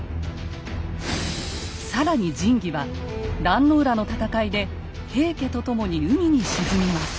更に神器は壇の浦の戦いで平家と共に海に沈みます。